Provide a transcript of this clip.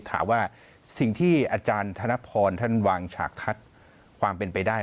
ถามว่าสิ่งที่อาจารย์ธนพรท่านวางฉากทัศน์ความเป็นไปได้